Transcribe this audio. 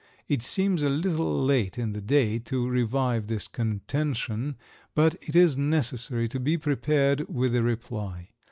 It seems a little late in the day to revive this contention, but it is necessary to be prepared with a reply.